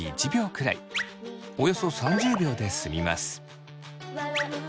およそ３０秒で済みます。